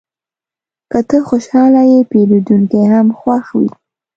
که ته خوشحاله یې، پیرودونکی هم خوښ وي.